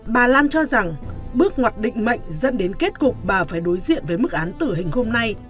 bà lan cho rằng bước ngoặt định mệnh dẫn đến kết cục bà phải đối diện với mức án tử hình hôm nay